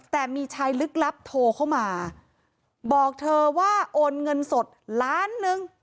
แต่มีชายลึกลับโทรเข้ามาบอกเธอว่าโอนเงินสดล้านหนึ่ง